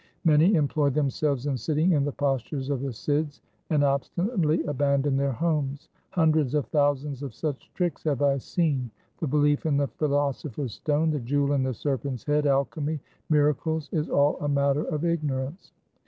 Many employ themselves in sitting in the postures of the Sidhs, and obstinately abandon their homes. Hundreds of thou sands of such tricks have I seen. The belief in the philoso pher's stone, the jewel in the serpent's head, alchemy, miracles is all a matter of ignorance.